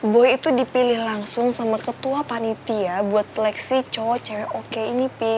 boy itu dipilih langsung sama ketua panitia buat seleksi cowok cewek oke ini p